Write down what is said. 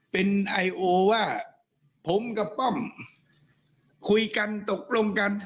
เป็นไอโอว่าผมกับป้อมคุยกันตกลงกัน